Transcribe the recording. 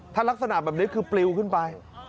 ถ้ารักษณะแบบนี้คือปลิวขึ้นไป